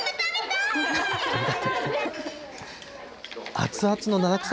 熱々の七草